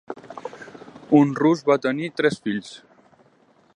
Un rus va tenir tres fills.